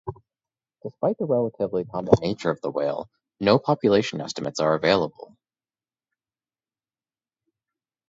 Despite the relatively common nature of the whale, no population estimates are available.